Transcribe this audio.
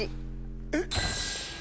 えっ⁉